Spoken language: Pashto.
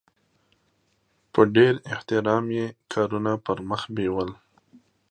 په ډېر احترام یې کارونه پرمخ بیول.